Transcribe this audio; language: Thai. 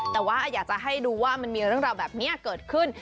แต่ว่าอยากจะให้ดูว่ามันมีเรื่องราวแบบนี้เกิดขึ้น